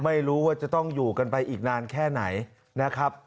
ไม่รู้ว่าจะต้องอยู่กันไปอีกนานแค่ไหนนะครับ